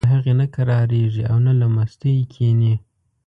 نیل تر هغې نه کرارېږي او نه له مستۍ کېني.